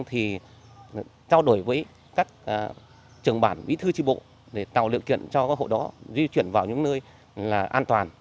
thì trao đổi với các trường bản bí thư tri bộ để tạo lựa kiện cho hộ đó di chuyển vào những nơi an toàn